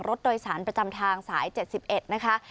รถโดยสารประจำทางสาย๗๑นะคะ